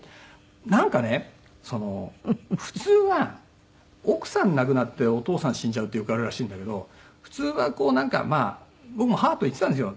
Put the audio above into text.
なんかねその普通は奥さん亡くなってお父さん死んじゃうってよくあるらしいんだけど普通はこうなんかまあ僕も母と言ってたんですよ。